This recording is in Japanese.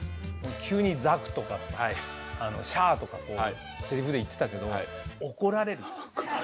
急に「ザク」とかさ「シャア」とかせりふで言ってたけど怒られるよ？